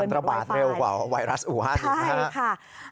มันระบาดเร็วกว่าไวรัสอุหาศอยู่